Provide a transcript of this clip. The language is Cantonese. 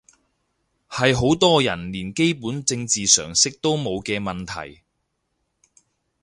係好多人連基本政治常識都冇嘅問題